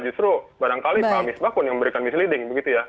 justru barangkali pak misbah pun yang memberikan misleading begitu ya